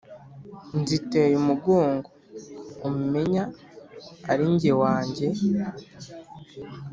nziteye umugongo umenya arinjye wanjye